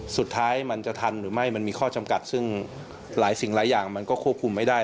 สุดท้ายมันจะทันหรือไม่มันมีข้อจำกัดซึ่งหลายสิ่งหลายอย่างมันก็ควบคุมไม่ได้